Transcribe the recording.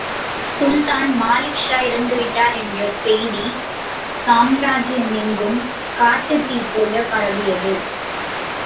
சுல்தான் Malik Shah இறந்துவிட்டார் என்ற செய்தி சாம்ராஜ்யமெங்கும் காட்டுத் தீ போலப் பரவியது.